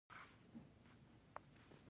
ما وویل پر یوې بلې موضوع به مجلس وکړو.